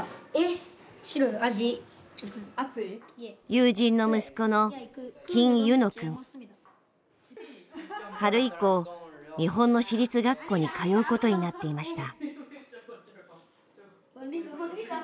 友人の息子の春以降日本の私立学校に通うことになっていました。